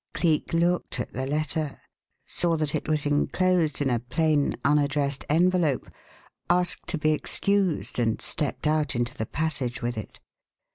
Cleek looked at the letter, saw that it was enclosed in a plain unaddressed envelope, asked to be excused, and stepped out into the passage with it.